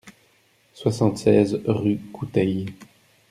soixante-seize rue Coutey